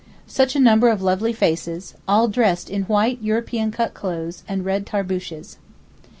Such a number of lovely faces—all dressed in white European cut clothes and red tarbooshes.